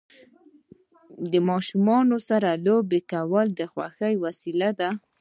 د ماشومانو سره لوبې کول د خوښۍ ښه وسیله ده.